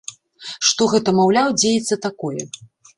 Што гэта маўляў дзеецца такое.